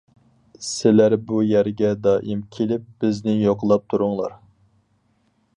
سىلەر بۇ يەرگە دائىم كېلىپ، بىزنى يوقلاپ تۇرۇڭلار.